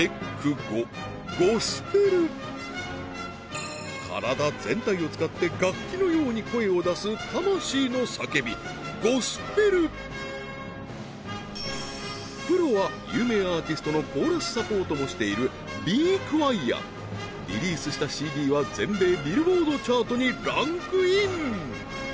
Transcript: ５体全体を使って楽器のように声を出す魂の叫びゴスペルプロは有名アーティストのコーラスサポートもしているビークワイアリリースしたＣＤは全米ビルボードチャートにランクイン